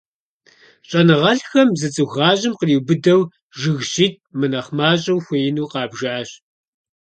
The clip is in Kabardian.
ЩӀэныгъэлӀхэм зы цӀыху гъащӀэм къриубыдэу жыг щитӀ мынэхъ мащӀэ хуеину къабжащ.